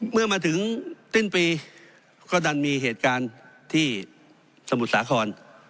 เมื่อมาถึงสิ้นปีก็ดันมีเหตุการณ์ที่สมุทรสาคร